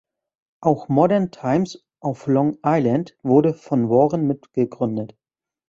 Auch "Modern Times" auf Long Island wurde von Warren mitgegründet.